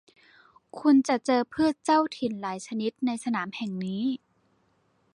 คุณจะเจอพืชเจ้าถิ่นหลายชนิดในสนามแห่งนี้